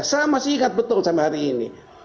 saya masih ingat betul sampai hari ini